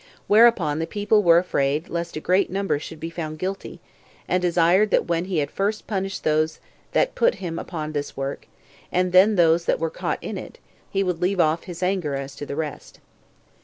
Whereupon the people were afraid lest a great number should be found guilty and desired that when he had first punished those that put them upon this work, and then those that were caught in it, he would leave off his anger as to the rest.